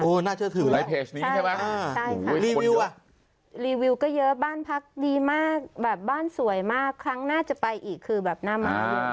โอ้น่าเชื่อถือแล้วรีวิวก็เยอะบ้านพักดีมากบ้านสวยมากครั้งหน้าจะไปอีกคือแบบนั้น